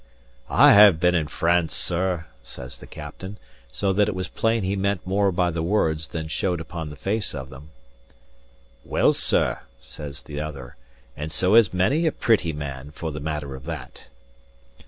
"I have been in France, sir," says the captain, so that it was plain he meant more by the words than showed upon the face of them. "Well, sir," says the other, "and so has many a pretty man, for the matter of that."